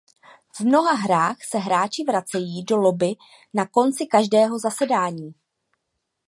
V mnoha hrách se hráči vracejí do lobby na konci každého zasedání.